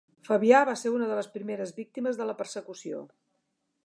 Fabià va ser una de les primeres víctimes de la persecució.